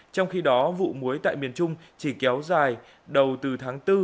trong khi đó vụ muối tại miền trung chỉ kéo dài đầu từ tháng bốn